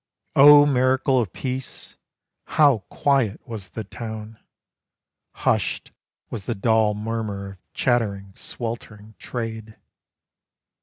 Oh miracle of peace! How quiet was the town! Hushed was the dull murmur of chattering, sweltering Trade.